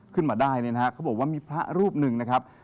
ขึ้นมาได้ก็บอกว่ามีพระรูปหนึ่ง